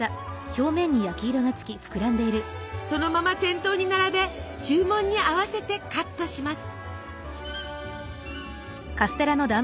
そのまま店頭に並べ注文に合わせてカットします。